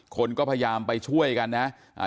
คนก็พยายามไปช่วยกันนะ